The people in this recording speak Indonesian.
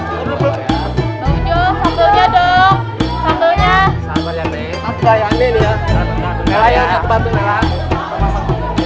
sampai jumpa lagi